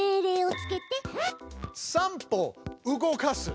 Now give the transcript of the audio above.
「３歩動かす」。